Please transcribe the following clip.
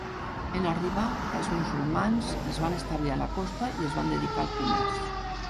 En arribar, els musulmans es van establir a la costa i es van dedicar al comerç.